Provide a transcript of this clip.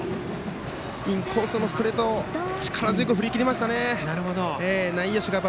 インコースのストレート力強く振り切りましたね。